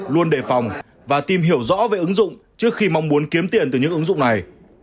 luôn đề phòng và tìm hiểu rõ về ứng dụng trước khi mong muốn kiếm tiền từ những ứng dụng này